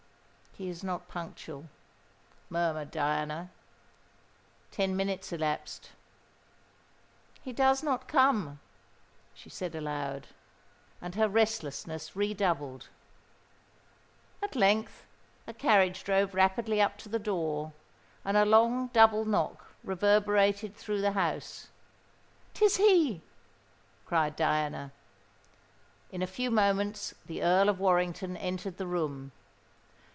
"He is not punctual," murmured Diana. Ten minutes elapsed. "He does not come!" she said aloud. And her restlessness redoubled. At length a carriage drove rapidly up to the door; and a long double knock reverberated through the house. "'Tis he!" cried Diana. In a few moments the Earl of Warrington entered the room.